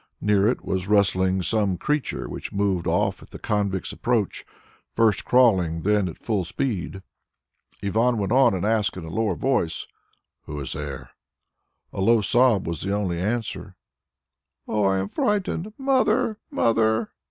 Near it was rustling some creature which moved off at the convict's approach, first crawling and then at full speed. Ivan went on and asked in a lower voice, "Who is there?" A low sob was the only answer, "Oh, I am frightened. Mother! Mother!"